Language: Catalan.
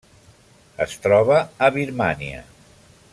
Es troba a Birmània.